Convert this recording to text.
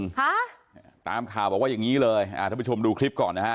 ฮะตามข่าวบอกว่าอย่างงี้เลยอ่าท่านผู้ชมดูคลิปก่อนนะฮะ